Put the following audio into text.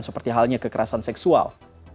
seperti halnya kekerasan seksual